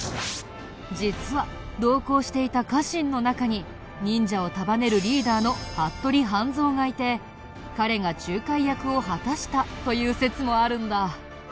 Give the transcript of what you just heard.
実は同行していた家臣の中に忍者を束ねるリーダーの服部半蔵がいて彼が仲介役を果たしたという説もあるんだ。